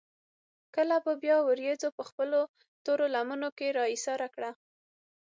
کله به بيا وريځو پۀ خپلو تورو لمنو کښې را ايساره کړه ـ